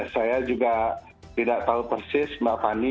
saya juga tidak tahu persis mbak fani